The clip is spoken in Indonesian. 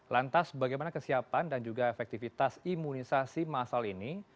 lantas bagaimana kesiapan dan juga efektivitas imunisasi masal ini